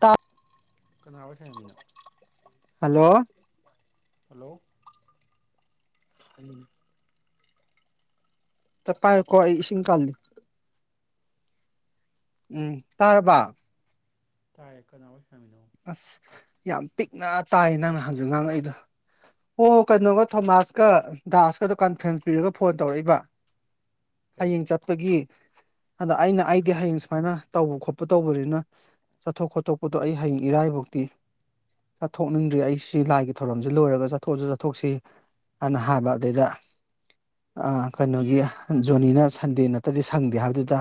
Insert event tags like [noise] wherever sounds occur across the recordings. ꯇ ꯀꯅꯥ ꯑꯣꯏ ꯁꯪꯉꯝꯃꯤꯅꯣ ꯍꯜꯂꯣ ꯍꯂꯣ ꯑꯅꯤ ꯄꯥꯏ ꯀꯣ ꯏꯁꯤꯡ ꯀꯜꯂꯤ ꯎꯝ ꯇꯥꯔꯕ ꯇꯥꯏꯀ ꯅꯥ ꯁꯃꯤꯅꯥ ꯑꯁ ꯌꯥꯝ ꯄꯤꯛꯅ ꯇꯥꯏ ꯅꯪꯅ ꯍꯪꯖꯤꯨ ꯉꯥꯡꯉꯛꯏꯗꯣ ꯍꯣ ꯀꯩꯅꯣꯒ ꯊꯣꯃꯥꯁꯀ ꯗꯥꯁꯀꯗꯣ ꯀꯟꯐ꯭ꯔꯦꯟꯁ ꯄꯤꯔꯒ ꯐꯣꯟ ꯇꯧꯔꯛꯏꯕ ꯍꯌꯦꯡ ꯀꯩꯒꯤ ꯆꯠꯄꯒꯤ ꯑꯗ ꯑꯩꯅ ꯑꯩꯗꯤ ꯀꯥꯏꯗ ꯍꯌꯦꯡ ꯁꯨꯃꯥꯏꯅ ꯇꯧꯕ ꯈꯣꯠꯄ ꯇꯧꯕꯅꯤꯅ ꯆꯠꯊꯣꯛ ꯈꯣꯠꯇꯣꯛꯄꯗꯣ ꯑꯩ ꯍꯌꯦꯡ ꯏꯔꯥꯏꯐꯧꯇꯤ ꯆꯠꯊꯣꯛꯅꯤꯡꯗ꯭ꯔꯤ ꯑꯩ ꯁꯤ ꯂꯥꯏꯒꯤ ꯊꯧꯔꯝꯁꯤ ꯂꯣꯏꯔꯒ ꯆꯠꯊꯣꯛꯑꯁꯨ ꯆꯠꯊꯣꯛꯁꯤ ꯍꯥꯏꯅ ꯍꯥꯏꯕ ꯑꯗꯨꯗꯩꯗ ꯀꯩꯅꯣꯒꯤ ꯖꯣꯅꯤꯅ ꯁꯟꯗꯦ ꯅꯠꯇꯗꯤ ꯁꯪꯗꯦ ꯍꯥꯏꯕꯗꯨꯗ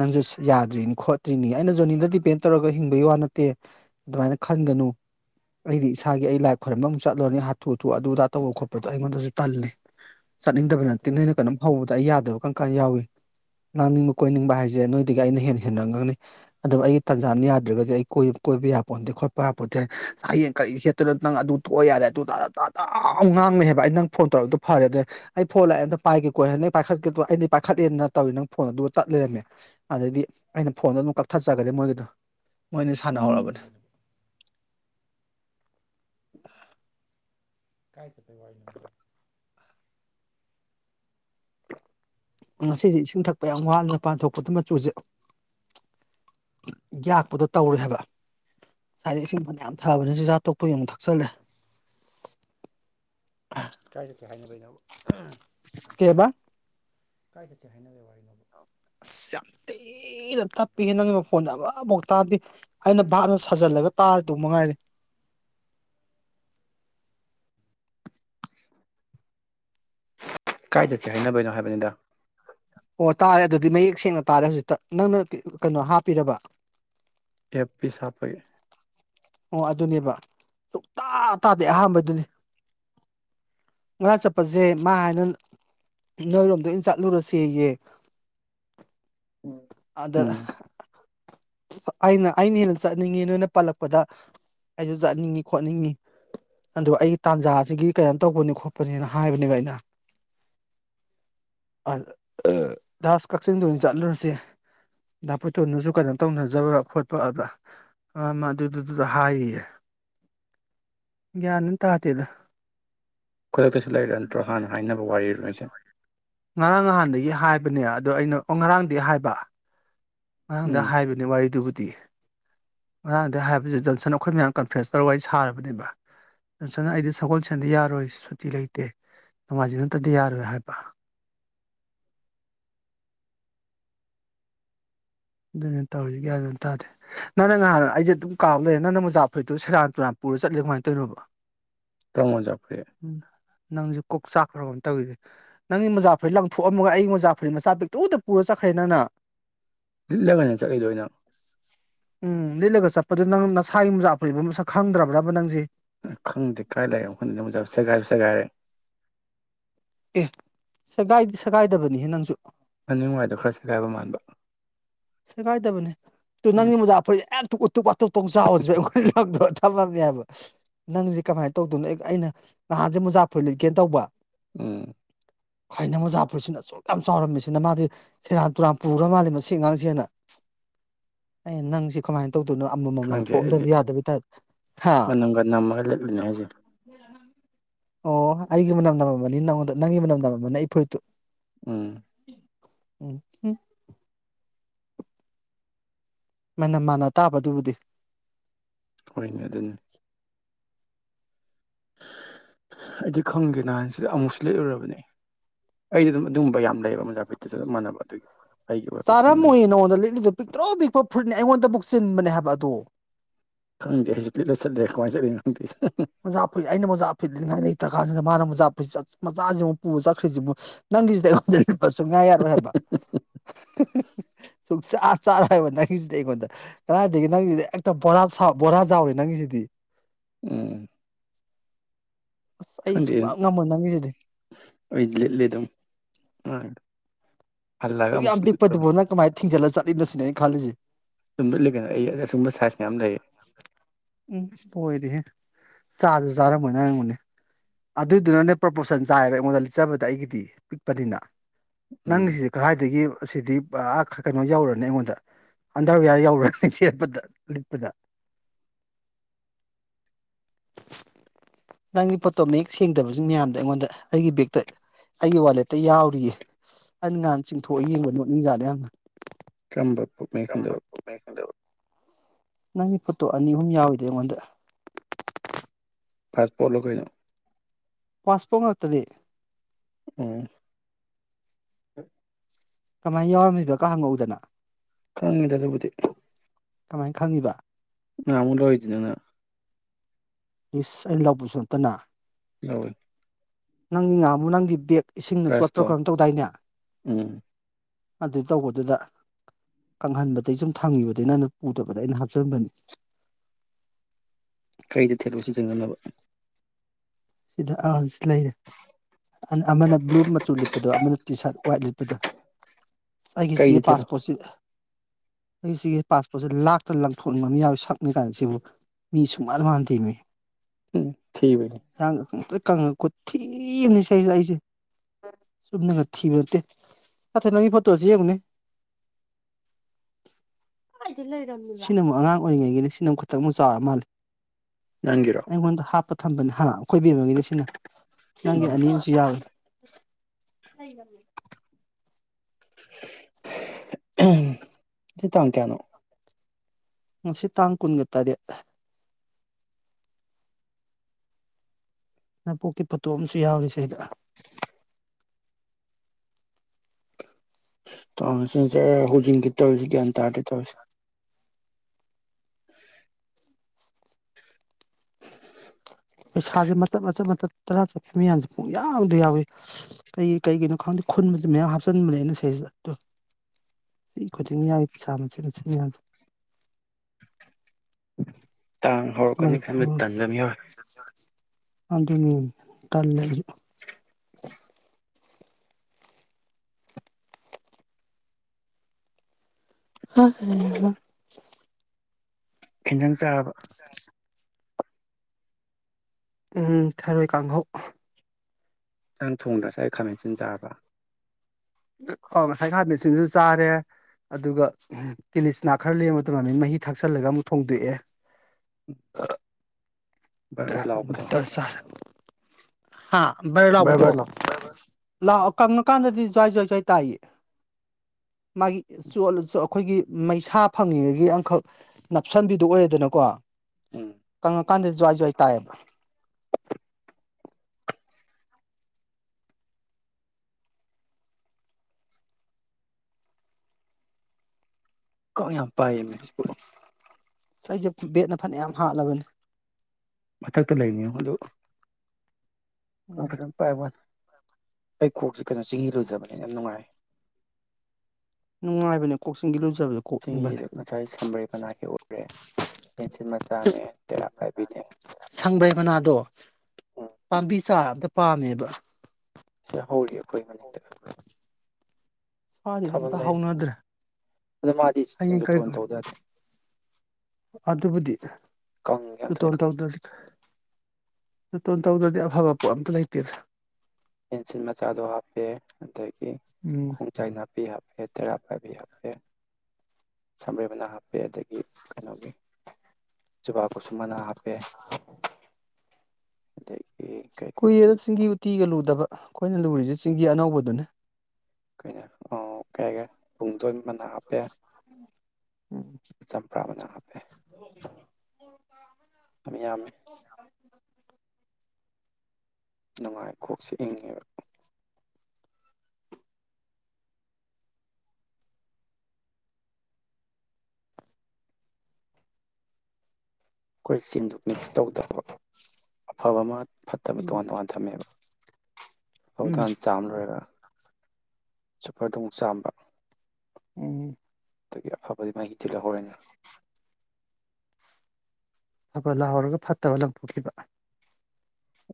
ꯅꯪꯁꯨ ꯌꯥꯗ꯭ꯔꯤꯅꯤ ꯈꯣꯠꯇ꯭ꯔꯤꯅꯤ ꯑꯩꯅ ꯖꯣꯅꯤꯗ ꯗꯤꯄꯦꯟ ꯇꯧꯔꯒ ꯍꯤꯡꯕꯒꯤ ꯋꯥ ꯅꯠꯇꯦ ꯑꯗꯨꯃꯥꯏꯅ ꯈꯟꯒꯅꯨ ꯑꯩꯗꯤ ꯏꯁꯥꯒꯤ ꯑꯩ ꯂꯥꯏ ꯈꯣꯏꯔꯝꯕ ꯑꯃꯨꯛ ꯆꯠꯂꯨꯔꯅꯤ ꯍꯥꯊꯨ ꯍꯥꯊꯨ ꯍꯥ ꯑꯗꯨ ꯑꯗꯥ ꯇꯧꯕ ꯈꯣꯠꯄꯗꯣ ꯑꯩꯉꯣꯟꯗꯁꯨ ꯇꯜꯂꯦ ꯆꯠꯅꯤꯡꯗꯕ ꯀꯥꯏ ꯅꯠꯇꯦ ꯆꯠꯄꯩ ꯅꯣꯏꯅ ꯋꯥꯔꯤꯅꯣ ꯀꯩꯅꯣꯝ ꯍꯧꯕꯗ ꯑꯩ ꯌꯥꯗꯕ ꯀꯥꯟ ꯌꯥꯎꯏꯤ ꯂꯥꯡꯅꯤꯡꯕ ꯀꯣꯏꯅꯤꯡꯕ ꯍꯥꯏꯁꯦ ꯅꯣꯏꯗꯒꯤ ꯑꯩꯅ ꯍꯦꯟꯅ ꯍꯦꯟꯅ ꯉꯥꯡꯅꯅꯤ ꯑꯗꯨꯕꯨ ꯑꯩꯒꯤ ꯇꯥꯟꯖꯥꯅ ꯌꯥꯗ꯭ꯔꯒꯗꯤ ꯑꯩ ꯀꯣꯏ ꯀꯣꯏꯕ ꯌꯥꯄꯣꯟꯗꯦ ꯈꯣꯠꯄ ꯌꯥꯄꯣꯟꯠꯇꯦ ꯍꯌꯦꯡ ꯀꯔꯤ ꯁꯦꯠꯇꯅ ꯅꯪ ꯑꯗꯨ ꯇꯣꯛꯑ ꯌꯥꯔꯦ ꯑꯗꯨ ꯇꯥ ꯇꯥꯗꯥ ꯉꯥꯡꯉ ꯍꯥꯏꯕ ꯑꯩ ꯅꯪ ꯐꯣꯟ ꯇꯧꯔꯒꯗꯣ ꯐꯔꯦ ꯑꯗꯩ ꯑꯩ ꯐꯣꯟ ꯂꯥꯛꯑꯦ ꯑꯝꯇ ꯄꯥꯏꯒꯦ ꯀꯣꯏ ꯅꯪ ꯄꯥꯏꯈꯠꯀꯦꯗꯣ ꯑꯩꯩꯅ ꯄꯥꯏꯈꯠꯂꯦꯅ ꯇꯧꯔꯤ ꯅꯪ ꯐꯣꯟ ꯑꯗꯨ ꯆꯠ ꯂꯩꯔꯝꯃꯦ ꯑꯗꯩꯗꯤ ꯑꯩꯅ ꯐꯣꯟꯗꯣ ꯑꯗꯨꯝ ꯀꯛꯊꯠꯆꯈ꯭ꯔꯦ ꯃꯣꯏꯒꯤꯗꯣ ꯃꯣꯏ ꯀꯥꯏ ꯆꯦꯄꯥꯏꯅ [inaudible] ꯀꯥꯏ ꯆ [inaudible] ꯑꯗꯨ ꯋꯥ [inaudible] ꯉꯁꯤꯗꯤ ꯏꯁꯤꯡ ꯊꯛꯄ ꯌꯥꯝ ꯋꯥꯠꯂꯥ ꯃꯄꯅ ꯇꯀꯞꯗꯥ ꯃꯆꯨꯁꯦ ꯌꯥꯛꯄꯗꯣ ꯇꯧꯏ ꯍꯥꯌꯕ ꯍꯥꯌꯗꯤ ꯑꯦꯁꯤꯌꯁꯨ ꯌꯅ ꯊꯛꯑꯕꯥꯟ ꯆꯀꯆꯇꯣꯀꯄꯩ ꯑꯃꯨꯛ ꯊꯛꯆꯥꯂꯦ ꯀꯥꯏ ꯆꯠꯁꯦ ꯍꯥꯏꯅꯕꯩꯅꯣꯕ [inaudible] ꯀꯩꯕ ꯀꯥꯏ ꯆꯠꯁꯦ ꯍꯥꯏꯅꯒꯦ ꯋꯥꯔꯤꯅꯣꯕ [inaudible] ꯑꯁ ꯌꯥꯝ ꯊꯤꯅ ꯇꯞꯄꯤ ꯅꯪꯒꯤ ꯃꯣꯟꯗ ꯑꯃꯐꯨꯥꯎ ꯇꯥꯔꯗꯤ ꯑꯩꯅ ꯚꯞꯅ ꯁꯥꯖꯤꯜꯂꯒ ꯇꯥꯔꯗꯧ ꯃꯉꯥꯏꯔꯦ [inaudible] ꯀꯥꯏ ꯗꯒꯦ ꯍꯥꯏꯅꯕꯩꯅꯣ ꯍꯥꯏꯕꯅꯤꯗ ꯑꯣ ꯇꯥꯔꯦ ꯑꯗꯨꯗꯤ ꯃꯌꯦꯛ ꯁꯦꯡꯅ ꯇꯥꯔꯦ ꯍꯧꯖꯤꯛꯇ ꯅꯪꯅ ꯀꯩꯅꯣ ꯍꯥꯞꯄꯤꯔꯕ ꯋꯔꯦꯄꯥꯛ ꯍꯄꯩ ꯑꯣ ꯑꯗꯨꯅꯦꯕ ꯂꯨꯇꯥ ꯇꯥꯗꯦ ꯑꯍꯥꯟꯕꯗꯨꯅꯤ ꯉꯔꯥꯡ ꯆꯠꯄꯁꯦ ꯃꯥ ꯍꯥꯏꯅ ꯅꯣꯏꯔꯣꯝꯗ ꯑꯩꯅ ꯆꯠꯂꯨꯔꯁꯦꯌꯦ ꯎꯝ ꯑꯗ ꯎꯝ ꯑꯥ ꯑꯩꯅꯥ ꯍꯦꯅꯥ ꯆꯠꯅꯤꯒꯒꯤ ꯅꯣꯏꯅꯥ ꯄꯂꯛꯄꯗ ꯑꯩꯁꯨ ꯆꯠꯅꯤꯟꯅꯒꯤ ꯈꯣꯅꯤꯟꯅꯒꯤ ꯑꯗꯣ ꯑꯩ ꯇꯟꯖꯁꯤꯒꯤ ꯀꯩꯅꯣ ꯇꯧꯕꯅꯤ ꯀꯣꯠꯄꯅꯤ ꯍꯥꯏꯕꯅꯦꯕ ꯑꯩꯅꯥ ꯔꯖ ꯀꯛꯆꯤꯟꯗ ꯑꯣꯏꯅꯥ ꯆꯠꯂꯨꯔ꯭ꯁꯤ ꯗꯥ ꯄꯣꯇꯣꯟꯗꯁꯨ ꯀꯩꯟ ꯇꯧꯅꯖꯕ꯭ꯔꯥ ꯈꯣꯠꯄ ꯑꯗ ꯑꯃ ꯑꯗꯨꯗꯨꯗꯨꯗ ꯍꯥꯏꯔꯤꯌꯦ ꯒ꯭ꯌꯥꯅ ꯇꯥꯗꯦꯗ ꯈꯨꯗꯛꯇꯁꯨ ꯂꯩꯔ ꯅꯠꯇ꯭ꯔꯣ ꯍꯥꯟꯅ ꯍꯥꯏꯅꯕ ꯋꯥꯔꯤꯔꯣ ꯑꯩꯁꯦ ꯉꯔꯥꯡ ꯅꯍꯥꯟꯗꯒꯤ ꯍꯥꯏꯕꯅꯦ ꯑꯗꯣ ꯑꯩꯅ ꯉꯔꯥꯡꯗꯒꯤ ꯍꯥꯏꯕ ꯃꯥꯡꯗ ꯎꯝ ꯍꯥꯏꯕꯅꯤ ꯋꯥꯔꯤꯗꯨꯕꯨꯗꯤ ꯉꯔꯥꯡꯗ ꯍꯥꯏꯕꯁꯦ ꯖꯟꯁꯟ ꯑꯩꯈꯣꯏ ꯃꯌꯥꯝ ꯀꯟꯐ꯭ꯔꯦꯟꯁ ꯇꯧꯔꯒ ꯑꯩ ꯁꯥꯔꯕꯅꯦꯕ ꯖꯟꯁꯟꯅ ꯑꯩꯗꯤ ꯁꯒꯣꯜꯁꯦꯟꯗꯤ ꯌꯥꯔꯣꯏ ꯁꯨꯇꯤ ꯂꯩꯇꯦ ꯅꯣꯡꯃꯥꯏꯖꯤꯡ ꯅꯠꯇꯗꯤ ꯌꯥꯔꯣꯏ ꯍꯥꯏꯕ ꯑꯗꯨꯅ‌ꯦ ꯇꯧꯔꯤꯁ‌ꯦ ꯒ꯭ꯌꯥꯟ ꯑꯝ ꯇꯥꯗꯦ ꯅꯪꯅ ꯅꯍꯥꯟ ꯑꯩꯁꯦ ꯑꯗꯨꯝ ꯀꯥꯞ ꯂꯩꯔꯦ ꯅꯪꯅ ꯃꯣꯖꯥ ꯐꯨꯔꯤꯠꯇꯣ ꯁꯦꯔꯥꯟ ꯇꯨꯔꯥꯟ ꯄꯨꯔ ꯆꯠꯂꯦ ꯀꯃꯥꯏꯅ ꯇꯧꯅꯣꯕ ꯀꯔꯝꯕ ꯃ‌ꯣꯖꯥꯐꯨꯔꯤꯠ ꯅꯪꯁꯨ ꯀꯣꯛ ꯆꯥꯛꯄ꯭ꯔꯥ ꯀꯩꯅ‌ꯣꯝ ꯇꯧꯏꯗ ꯅꯪꯒꯤ ꯃꯣꯖꯥꯐꯨꯔꯤꯠ ꯂꯪꯊꯣꯛꯑꯝꯃꯒ ꯑꯩꯒꯤ ꯃꯣꯖꯥꯐꯨꯔꯤ ꯃꯆꯥ ꯄꯦꯛꯇ꯭ꯔꯨꯗꯨ ꯄꯨꯔ ꯆꯠꯈ꯭ꯔꯦ ꯅꯪꯅ ꯂꯤꯠꯂꯒꯅ ꯆꯠꯂꯤꯗ‌ꯣ ꯑꯩꯅ ꯎꯝ ꯂꯤꯠꯂꯒ ꯆꯠꯄꯗ ꯅꯪ ꯅꯁꯥꯒꯤ ꯃꯖꯆꯥ ꯄꯨꯔꯤꯕꯕ ꯃꯁꯛ ꯈꯪꯗ꯭ꯔꯕ꯭ꯔꯕ ꯅꯪꯁꯤ ꯈꯪꯗꯦ ꯀꯥꯏ ꯂꯩꯔꯦ ꯈꯪꯗꯦꯅꯨꯡꯖꯕ ꯁꯦꯒꯥꯏꯕ ꯁꯦꯒꯥꯏꯔꯦ ꯑꯦ ꯁꯒꯥꯏꯗꯤ ꯁꯒꯥꯏꯗꯕꯅꯤꯍꯦ ꯅꯪꯁꯨ ꯃꯥꯅꯤꯡꯋꯥꯏꯗꯣ ꯈꯔ ꯁ‌ꯦꯒꯥꯏꯕ ꯃꯥꯟꯕ ꯁꯦꯒꯥꯏꯗꯕꯅꯤ ꯇꯨ ꯅꯒꯤ ꯃꯣꯖꯥꯐꯨꯔꯤꯠ [unintelligible] ꯇꯨꯛ ꯑꯇꯨꯛ ꯋꯥꯇꯨꯞ‌ꯇꯨꯡ ꯆꯥꯎꯥꯎꯕꯁꯤ ꯑꯩꯈꯣꯏ ꯊꯕꯂꯛꯅꯦꯕ ꯅꯪꯖꯤ ꯀꯃꯥꯏꯅ ꯇꯧꯗꯣꯏꯅꯣ ꯑꯩꯅ ꯅꯍꯥꯟꯁꯦ ꯃꯨꯖꯥꯐꯨꯔꯤꯠ ꯂꯤꯠꯀ‌ꯦꯅ ꯇꯧꯕ ꯎꯝ ꯈꯥꯏꯅ ꯃꯖꯥꯄꯨꯔꯠꯁꯤꯅ ꯑꯁꯨꯛ ꯌꯥꯝ ꯆꯥꯎꯔꯝꯃꯤꯁꯤꯅ ꯃꯥꯗꯤ ꯁꯦꯔꯥꯟ ꯇꯨꯔꯥꯟ ꯄꯨꯔ ꯃꯥꯜꯜꯂꯤꯦ ꯃꯁꯤ ꯑꯉꯥꯡꯁꯤꯡ [unintelligible] ꯦꯅ ꯑ ꯅꯪꯁꯦ ꯀꯃꯥꯏꯅ ꯇꯧ ꯇꯧꯗꯣꯏꯅ ꯑꯃꯃꯝ ꯈꯪꯗꯦ ꯑꯩꯗꯤ ꯂꯪꯊꯣꯛꯑꯝꯗꯗꯤ ꯌꯥꯗꯕꯤ ꯇꯥꯏ ꯃꯅꯝꯒ ꯅꯝꯃꯒ ꯂꯤꯠꯂꯤꯅꯦ ꯍꯥꯏꯁꯦ ꯑꯣ ꯑꯩꯒꯤ ꯃꯅꯝ ꯅꯝꯃꯝꯃꯥꯅꯤ ꯅꯉ‌ꯣꯡꯗ ꯅꯪꯒꯤ ꯃꯅꯝ ꯅꯃꯝꯃꯥꯅꯤ ꯑꯩ ꯐꯨꯔꯤꯠꯇꯨ ꯎꯝ ꯎꯝ ꯎꯝ ꯃꯅꯝ ꯃꯥꯟꯅ ꯇꯥꯕ ꯑꯗꯨꯕꯨꯗꯤ ꯍꯣꯏꯅꯦ ꯑꯗꯨꯅꯤ ꯑꯩꯗꯤ ꯈꯪꯒꯦ ꯅꯍ ꯍꯥꯏꯥꯟꯁꯤꯗ ꯑꯃꯨꯛꯁꯨ ꯂꯦꯠꯂꯨꯔꯕꯅꯦ ꯑꯩꯗꯤ ꯑꯗꯨꯝ ꯑꯗꯨꯝꯕ ꯌꯥꯝ ꯂꯩꯕ ꯃꯖꯥꯄꯤꯛꯇꯁꯨ ꯑꯗꯨꯝ ꯃꯥꯟꯅꯕ ꯑꯗꯨꯒꯤ ꯑꯩꯒꯤ ꯑꯣꯏꯕ ꯈꯟꯕꯩ ꯆꯥꯔꯝꯃꯣꯏꯦ ꯅꯉꯣꯟꯗ ꯂꯤꯠꯂꯤꯗꯨ ꯄꯤꯛꯇ꯭ꯔꯣ ꯄꯤꯛꯄ ꯐꯨꯠꯅꯤ ꯑꯩꯉꯣꯟꯗꯕꯨ꯫ ꯆꯤꯟꯕꯅꯦ ꯍꯥꯏꯕ ꯑꯗꯣ꯫ ꯈꯪꯗꯦꯁꯨ ꯂꯤꯠ ꯆꯠꯂꯦ ꯀꯃꯥꯏꯟ ꯇꯧꯔꯤꯅꯣ ꯈꯪꯗꯦ ꯑꯩꯁꯨ꯫ ꯃꯣꯖꯥ ꯐꯨꯠꯂꯤ ꯑꯩꯅ ꯃꯣꯖꯥ ꯐꯤꯠ ꯂꯩꯅꯤꯡꯉꯥꯏ ꯂꯩꯇ꯭ꯔ ꯀꯥꯟꯁꯤꯗ ꯃꯥꯅ ꯃꯣꯖꯥ ꯐꯨꯁꯤ ꯃꯆꯥꯖꯤꯃꯨꯛ ꯄꯨꯕ ꯆꯈꯔ꯭ꯤꯁꯤꯕꯨ ꯅꯪꯒꯤꯁꯤꯗ ꯑꯩꯉꯣꯟꯗ꯫ ꯂꯤꯠꯄ ꯁꯨꯡ ꯌꯥ ꯌꯥꯔꯣꯏ ꯍꯥꯏꯕ꯫ ꯆꯥ ꯆꯥꯔꯣꯏꯍꯥꯏꯕ ꯅꯪꯒꯤꯁꯤꯗꯤ ꯑꯩꯉꯣꯟꯗ ꯀꯗꯥꯏꯗꯒꯤ ꯅꯪꯒꯤꯁꯤꯗꯤꯛ ꯍꯦꯛꯇ ꯕꯣꯔꯥꯁꯥꯎ ꯕꯣꯔꯥꯖꯥꯎ ꯅꯤ ꯅꯪꯒꯤꯁꯤꯗꯤ꯫ ꯎꯝ ꯑꯁ ꯈꯪꯗꯦ ꯑꯩ ꯁꯨꯡꯉꯝ ꯉꯝꯃꯣꯏ ꯅꯪꯒꯤꯁꯤꯗꯤ ꯑꯩ ꯂꯤꯠꯂꯤ ꯑꯗꯨꯝ ꯃꯥ꯫ ꯑꯗꯨꯛ ꯌꯥꯝ ꯄꯤꯛꯄꯗꯨꯕꯨ ꯅꯪ ꯀꯃꯥꯏꯅ ꯊꯤꯡꯖꯤꯜꯂꯒ ꯆꯠꯂꯤꯅꯤ ꯁꯤꯅꯦ꯫ ꯈꯥꯜꯂꯤꯁꯤ꯫ ꯑꯗꯨꯝ ꯂꯤꯠꯂꯤ ꯀꯔꯤꯅꯣ ꯑꯩ ꯑꯁꯨꯝꯕ ꯁꯥꯏꯁ ꯃꯌꯥꯝ ꯂꯩꯌꯦ꯫ ꯎꯝ ꯄꯣꯏꯔꯦꯍꯦ ꯆꯥꯖꯨ ꯆꯥꯔꯝꯃꯣꯏꯅ ꯌꯦꯡꯉꯨꯅꯦ꯫ ꯑꯗꯨꯏꯗꯨꯅꯅꯦ ꯄ꯭ꯔꯣꯄꯣꯁꯟ ꯆꯥꯏꯑꯦꯕ ꯑꯩꯉꯣꯟꯗ ꯂꯤꯠꯆꯕꯗ ꯑꯩꯒꯤꯗꯤ ꯄꯤꯛꯄꯅꯤꯅ꯫ ꯎꯝ ꯅꯪꯒꯤꯁꯤꯗꯤ ꯀꯗꯥꯥꯏꯗꯒꯤ꯫ ꯑꯁꯤꯗꯤ ꯄꯨꯔꯥ ꯀꯩꯅꯣ ꯌꯧꯔꯅꯤ ꯑꯩꯉꯣꯟꯗ ꯑꯟꯗꯔꯋꯦꯌꯥꯔ ꯌꯧꯔꯅꯤ ꯁꯦꯠꯄꯗ ꯂꯤꯠꯄꯗ꯫ ꯅꯪꯒꯤ ꯄꯣꯇꯣ ꯃꯌꯦꯛ ꯁꯦꯡꯗꯕꯁꯤꯡ ꯃꯌꯥꯝꯗ ꯑꯩꯉꯣꯟꯗ ꯑꯩꯒꯤ ꯕꯦꯛꯇ ꯑꯩꯒꯤ ꯋꯥꯂꯦꯠꯇ ꯌꯥꯎꯔꯤꯌꯦ ꯑꯩꯅ ꯉꯍꯥꯟ ꯆꯤꯡꯊꯣꯛꯑ ꯌꯦꯡꯕ ꯅꯣꯛ ꯅꯤꯡ ꯖꯥꯠꯅꯤ ꯌꯥꯝꯅ꯫ ꯀꯝꯕ꯫ [unintelligible] ꯅꯪꯒꯤ ꯐꯣꯠꯇꯣ ꯑꯅꯤ ꯑꯍꯨꯝ ꯌꯥꯎꯏꯗ ꯑꯩꯉꯣꯟꯗ꯫ ꯐꯥꯁꯄꯣꯠꯂꯣ ꯀꯩꯅꯣ꯫ ꯄꯥꯁꯄꯣꯠ ꯉꯥꯛꯇꯅꯤ꯫ ꯑꯣ꯫ ꯀꯃꯥꯏꯅ ꯌꯥꯎꯔꯝꯃꯤꯕꯀ ꯍꯪꯉꯛꯎꯗꯅ꯫ ꯈꯪꯉꯤꯗ ꯑꯗꯨꯕꯨꯗꯤ ꯀꯃꯥꯏꯅ ꯈꯪꯉꯤꯕ ꯅꯍꯥꯟꯃꯨꯛ ꯂꯧꯔꯤꯗꯤ ꯅꯅ ꯏꯁ ꯑꯩ ꯂꯧꯕꯁꯨ ꯅꯠꯇꯅ꯫ ꯂꯧꯏ꯫ ꯅꯪꯒꯤ ꯉꯥꯃꯨ ꯅꯪꯒꯤ ꯕꯦꯛ꯫ ꯏꯁꯤꯡꯅ ꯆꯣꯠꯄ꯭ꯔꯣ ꯄ꯭ꯔꯥꯏꯁꯇꯣ ꯀꯔꯝ ꯇꯧꯗꯥꯏꯅꯦ ꯎꯝ ꯑꯗꯨ ꯇꯧꯕꯗꯨꯗ ꯀꯪꯍꯟꯕꯗꯩ ꯁꯨꯝ ꯊꯝꯒꯤꯕꯗꯩꯩ ꯅꯪꯅ ꯄꯨꯗꯕꯗ ꯑꯩꯅ ꯍꯥꯞꯆꯤꯟꯕꯅꯤ꯫ [unintelligible] ꯁꯤꯗ ꯑꯁ ꯂꯩꯔꯦ ꯑꯃꯅ ꯕꯨꯂꯨ ꯃꯆꯨ ꯂꯤꯠꯄꯗꯣ ꯑꯃꯅ ꯇꯤ ꯁꯥꯔꯠ ꯋꯥꯏꯠ ꯂꯤꯠꯄꯗꯨ꯫ ꯑꯩꯒꯤꯁꯤꯒꯤ ꯀꯩꯗ ꯊꯦꯠꯂꯣ ꯄꯥꯁꯄꯣꯠꯁꯤ꯫ ꯑꯩ ꯁꯤꯒꯤ ꯄꯥꯁꯄꯣꯠꯁꯦ ꯂꯥꯛꯇꯅ ꯂꯪꯊꯣꯛꯅꯤꯡꯕ ꯑꯃꯥ ꯌꯥꯎꯏ ꯁꯛꯅꯤ ꯀꯥꯏꯅꯁꯤꯕꯨ ꯃꯤ ꯁꯨꯃꯥꯟ ꯃꯥꯥꯟꯗꯦꯃꯤ꯫ ꯎꯝ ꯊꯤꯕꯩꯅꯤ꯫ ꯌꯥꯡ ꯀꯪꯇꯔꯤꯛ ꯀꯪꯉꯥ ꯈꯨꯊꯤ ꯑꯃꯅꯤ ꯁꯦꯗ ꯑꯩꯁꯦ꯫꯫ [unintelligible] ꯊꯤꯕ ꯅꯠꯇꯦ ꯑꯗꯣ ꯅꯪꯒꯤ ꯐꯣꯇꯣꯁꯦ ꯌꯦꯡꯉꯨꯅꯦ ꯁꯤꯅ ꯑꯃꯨꯛ ꯑꯉꯥꯡ ꯑꯣꯏꯔꯤꯉꯩꯒꯤꯅꯤ ꯁꯤꯅ ꯑꯃꯨꯛ ꯈꯤꯇꯪ ꯑꯃꯨꯛ ꯆꯥꯎꯔ ꯃꯥꯜꯂꯤ꯫ ꯅꯪꯒꯤꯔꯣ ꯑꯩꯉꯣꯟꯗ ꯍꯥꯄ ꯊꯝꯕꯅꯤ ꯍꯥꯡ ꯑꯩꯈꯣꯏ ꯕꯦꯝꯃꯒꯤꯅꯤꯁꯤꯅ ꯅꯪꯒꯤ ꯎꯝ ꯑꯅꯤ ꯑꯃꯁꯨ ꯌꯥꯎꯔꯦ꯫ ꯍꯩꯒ [unintelligible] ꯎꯝ ꯅꯁꯤ ꯇꯥꯡ ꯀꯌꯥꯅꯣ ꯉꯁꯤ ꯇꯥꯡ ꯀꯨꯟꯒꯇꯔꯦꯠ ꯅꯄꯣꯛꯀꯤ ꯄꯣꯠꯇꯣ ꯑꯃꯁꯨ ꯌꯥꯎꯔꯤ ꯁꯤꯗꯩꯗ [unintelligible] ꯍꯨꯖꯤꯟꯒꯦ ꯇꯧꯔꯤꯁꯤ ꯒ꯭ꯌꯥꯟ ꯇꯥꯔꯗꯤ ꯇꯧꯔꯤꯁꯤ ꯄꯩꯁꯥꯁꯦ ꯃꯇꯠ ꯃꯆꯞ ꯃꯇꯞ ꯇꯔꯥ ꯆꯠꯄꯤ ꯃꯌꯥꯝꯁꯦ ꯄꯨꯡꯛ ꯌꯥꯎꯗ ꯌꯥꯎꯏꯤ ꯀꯩ ꯀꯩꯒꯤꯅꯣ ꯈꯪꯗꯦ ꯈꯨꯟꯕꯁ ꯃꯌꯥꯝ ꯍꯥꯞꯆꯤꯟꯕꯅꯦ ꯑꯩꯅ ꯁꯤꯁꯤꯗ ꯑꯗꯣ ꯆꯍꯤ ꯈꯨꯗꯤꯡ ꯌꯥꯎꯏꯤ ꯄꯩꯁꯥ ꯃꯆꯦꯠ ꯃꯆꯦ ꯃꯌꯥꯝꯁꯦ ꯇꯥꯡ ꯈꯨꯠꯃꯥꯏ ꯍꯧꯔꯛꯀꯅꯤꯈꯟꯕꯗ ꯇꯟꯕ ꯑꯃ ꯌꯥꯎꯔꯏ ꯑꯗꯨꯅꯦ ꯀꯛꯂꯦ ꯑꯩꯖꯨ ꯍꯥ ꯂꯩꯕ ꯈꯤꯟꯖꯥꯡ ꯆꯥꯔꯕ ꯎꯝ ꯊꯔꯣꯏ ꯀꯥꯡꯍꯧ ꯅꯪ ꯊꯣꯡꯗꯥꯏ ꯉꯁꯥꯏ ꯈꯥꯃꯦꯟꯁꯤꯟ ꯆꯥꯔꯒ ꯑ ꯉꯁꯥꯏ ꯉꯥ [unintelligible] ꯆꯥꯔꯦ ꯑꯗꯨꯒ ꯀꯤꯂꯤꯁꯅꯥ ꯈꯔ ꯂꯦꯝꯕꯗꯨꯅꯅꯦ ꯃꯍꯤ ꯊꯥꯛꯆꯜꯂꯒ ꯑꯃꯨꯛ ꯊꯣꯡꯗꯣꯛꯑꯦ ꯕꯔ ꯕꯔ ꯂꯥꯏꯄ ꯎꯝ ꯂꯥꯎꯕꯗꯣ ꯇꯧꯔ ꯆꯥꯔꯦ ꯍꯥ ꯕꯔ ꯂꯥꯎꯕꯗꯣ ꯂꯥꯛꯑꯣ ꯀꯪꯉꯀꯥꯟꯗꯗꯤ ꯖꯋ꯭ꯥꯏ ꯖ꯭ꯋꯥꯏ ꯖꯋꯥꯥꯏ ꯇꯥꯏꯌꯦ ꯃꯥꯒꯤ ꯆꯣꯠꯂꯖꯨ ꯑꯩꯈꯣꯏꯒꯤ ꯃꯩꯁꯥ ꯐꯪꯉꯤꯉꯒꯤ ꯑꯃꯈꯛ ꯅꯞꯁꯟꯕꯤꯗꯣ ꯑꯣꯏꯦꯗꯅꯀꯣ ꯎꯝ ꯀꯥꯞ ꯀꯥꯟꯗꯦ ꯖꯋꯥꯢ ꯖꯋ ꯇꯥꯏꯕ ꯀꯥꯡ ꯌꯥꯝ ꯄꯥꯏꯌꯦꯃꯦ ꯁꯤꯕꯣ ꯁꯩꯁꯦ ꯕꯦꯠꯅ ꯐꯅꯌꯥꯝ ꯍꯥꯠꯂꯕꯅꯤ ꯃꯊꯛꯇ ꯂꯩꯅꯤ ꯑꯗꯨ ꯀꯥꯡ ꯐꯖꯟ ꯄꯥꯏꯕ ꯋꯥꯅꯤ ꯑꯩ ꯀꯣꯛꯁꯤ ꯀꯩꯅꯣ ꯆꯤꯡꯍꯤ ꯂꯨꯖꯕꯅꯦ ꯌꯥꯝ ꯅꯨꯡꯉꯥꯏ ꯅꯨꯡꯉꯥꯏꯕꯅꯦ ꯀꯣꯛꯆꯤꯡꯒꯤ ꯂꯨꯖ ꯁꯤ ꯉꯁꯥꯏ ꯁꯝꯕ꯭ꯔꯩ ꯃꯅꯥ ꯍꯦꯛ [unintelligible] ꯕꯦ ꯁꯪꯕ꯭ꯔꯩ ꯃꯅꯥꯗꯣ ꯎꯝ ꯄꯥꯝꯕꯤ ꯆꯥꯔ ꯑꯝꯇ ꯄꯥꯝꯃꯦꯕ ꯁꯤ ꯍꯧꯔꯤ ꯑꯩꯈꯣꯏ ꯃꯅꯤꯡꯗ ꯃꯥꯗꯨꯗꯤ ꯑꯝꯇ ꯊꯥꯕꯜꯂꯩ ꯍꯧꯅꯗ꯭ꯔꯦ ꯑꯗꯣ ꯃꯥꯗꯤ ꯍꯌꯦꯡ ꯖꯣꯇꯣꯟ ꯀꯩꯒꯨꯝ ꯇꯩꯗ ꯌꯥꯗꯦ ꯑꯗꯨꯕꯨꯗꯤ ꯀꯥꯡ ꯌꯥꯝ ꯏꯇꯣꯟ ꯊꯨꯅ ꯇꯧꯗ꯭ꯔ ꯗ ꯅꯇꯣꯟ ꯇꯧꯗ꯭ꯔꯗꯤ ꯑꯐꯕ ꯑꯄꯣ ꯑꯝꯇ ꯂꯩꯇꯦꯗꯥ ꯄꯦꯟꯁꯤꯟ ꯃꯆꯥꯗꯣ ꯍꯥꯞꯄꯦ ꯑꯗꯒꯤ ꯎꯝ ꯈꯣꯡꯆꯥꯏ ꯅꯥꯞ ꯕꯤ ꯍꯥꯞꯄꯦ ꯇꯦꯔꯥ ꯄꯥꯏꯕꯤ ꯍꯥꯞꯄꯦ ꯁꯝꯕ꯭ꯔꯩ ꯃꯅꯥ ꯍꯥꯞꯄꯦ ꯑꯗꯒꯤ ꯀꯩꯅꯣꯒꯤ ꯆꯨꯕꯥꯀꯣꯁꯨꯝ ꯃꯅꯥ ꯍꯞꯄꯦ ꯑꯗꯩꯩ ꯀꯨꯏꯔꯦꯗꯥ ꯆꯤꯡꯍꯤ-ꯎꯇꯤꯒ ꯂꯨꯗꯕ ꯑꯈꯣꯏꯅ ꯂꯨꯔꯤꯖꯦ ꯆꯤꯡꯍꯤ ꯑꯅꯧꯕꯗꯨꯅꯦ ꯀꯩꯅꯣ ꯑꯣ ꯀꯩ ꯍꯥꯏꯒꯦ ꯄꯨꯡ [unintelligible] ꯃꯅꯥ ꯍꯥꯞꯄꯦ ꯎꯝ ꯆꯝꯄ꯭ꯔꯥ ꯃꯅꯥ ꯍꯥꯞꯄꯦ [unintelligible] ꯌꯥꯝ [inaudible] ꯌꯥꯝꯃꯦ [inaudible] ꯅꯨꯡꯉꯥꯏ ꯀꯣꯛꯁꯦ ꯏꯪꯉꯦꯕ ꯑꯩꯈꯣꯏ ꯆꯦꯡꯗꯨ ꯃꯤꯛꯁ ꯇꯧꯗꯕꯣ ꯑꯐꯕ ꯑꯃ ꯐꯠꯇꯕ ꯇꯣꯉꯥꯟ-ꯇꯣꯉꯥꯟ ꯊꯝꯃꯦꯕ ꯐꯧꯗꯣ ꯎꯝ ꯍꯥꯟ ꯆꯥꯝ ꯂꯣꯏꯔꯒꯥ ꯆꯐꯔꯗꯣ ꯑꯃꯨꯛ ꯆꯥꯝꯕ ꯎꯝ ꯑꯗꯒꯤ [unintelligible] ꯑꯐ ꯂꯧꯍꯧꯔꯒ ꯐꯠꯇꯕ ꯂꯪꯊꯣꯛꯈꯤꯕ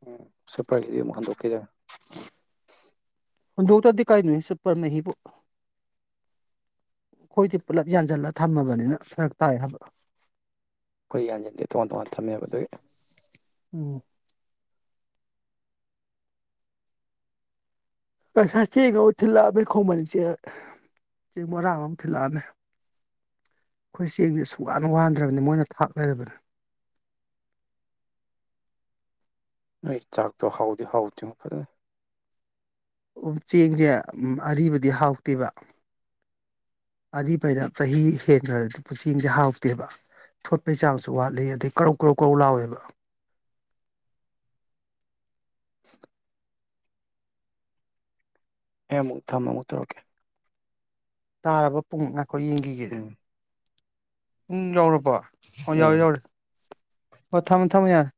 ꯎꯝ ꯁꯨꯄꯔꯒꯤꯗꯤ ꯑꯃꯨꯛ ꯍꯟꯗꯣꯛꯈꯤꯔꯦ ꯍꯨꯟꯗꯣꯛꯇꯗꯤ ꯀꯩꯅꯣ ꯁꯨꯄꯔ ꯃꯍꯤꯕꯨ ꯑꯈꯣꯏꯗꯤ ꯄꯨꯜꯂꯞ ꯌꯥꯟꯁꯤꯜꯂ ꯊꯝꯃꯕꯅꯤꯅ ꯐꯔꯛ ꯇꯥꯏ ꯍꯥꯏꯕ ꯑꯈꯣꯏ ꯌꯥꯟꯁꯤꯟꯗꯦ ꯇꯣꯉꯥꯟ ꯇꯣꯉꯥꯟ ꯊꯝꯃꯦꯕ ꯑꯗꯨꯏ ꯎꯝ ꯉꯁꯥꯏ ꯆꯦꯡꯗꯣ ꯑꯃꯨꯛ ꯊꯤꯜꯂꯛꯑꯃꯦ ꯈꯣꯡꯃꯟ ꯆꯦꯡ ꯕꯣꯔꯥ ꯑꯃꯃꯨꯛ ꯊꯤꯜꯂꯛꯑꯃꯦ ꯑꯩꯈꯣꯏ ꯆꯦꯡꯁꯦ ꯁꯨꯛꯋꯥꯟ ꯋꯥꯟꯗ꯭ꯔꯕꯅꯤ ꯃꯣꯏꯅ ꯊꯥꯛ ꯂꯩꯔꯕꯅꯦ ꯅꯣꯏ ꯆꯥꯛꯇꯣ ꯍꯥꯎꯗꯤ ꯍꯥꯎꯇꯦꯉꯣ ꯐꯖꯅꯥ ꯎꯝ ꯆꯦꯡꯁꯦ ꯑꯔꯤꯕꯗꯤ ꯍꯥꯎꯇꯦꯕ ꯑꯔꯤꯕꯗ ꯆꯍꯤ ꯍꯦꯟꯈ꯭ꯔꯗꯤ ꯆꯦꯡꯁꯦ ꯍꯥꯎꯇꯦꯕ ꯊꯣꯠꯄꯩ ꯆꯥꯡꯁꯨ ꯋꯥꯠꯂꯤ ꯑꯗꯩ ꯀꯔꯧ ꯀꯧꯔꯧ ꯀꯔꯧ ꯂꯥꯎꯋꯦꯕ ꯑꯩ ꯑꯃꯨꯛ ꯊꯝꯃꯣ ꯑꯃꯨꯛ ꯇꯧꯔꯛꯀꯦ ꯇꯥꯔꯕ ꯄꯨꯡꯃꯨꯛꯅ ꯍꯣꯏ ꯌꯦꯡꯈꯤꯒꯦ ꯎꯝ ꯄꯨꯡ ꯌꯧꯔꯕꯣ [unintelligible] ꯎꯝ ꯌꯧꯔꯦ ꯌꯧꯔꯦ ꯍꯣ ꯊꯝꯃꯨ ꯊꯝꯃꯨ ꯌꯥꯔꯦ